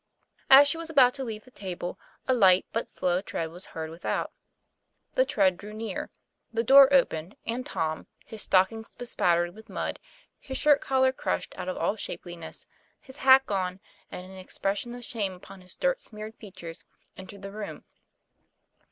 As she was about to leave the table, a light but slow tread was heard without. The tread drew nearer; the door opened, and Tom, his stockings bespattered with mud, his shirt collar crushed out of all shapeliness, his hat gone, and an expression of shame upon his dirt smeared features, entered the room.